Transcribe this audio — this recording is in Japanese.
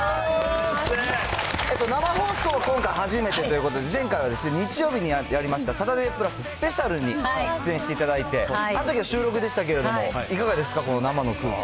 生放送、今回初めてということで、前回はですね、日曜日にやりましたサタデープラススペシャルに出演していただいて、あのときは収録でしたけれども、いかがですか、この生の雰囲気。